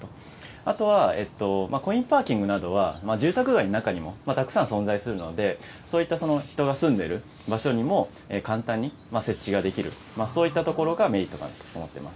あとはコインパーキングなどは住宅街の中にもたくさん存在するので、そういった人が住んでいる場所にも簡単に設置ができる、そういったところがメリットだと思っています。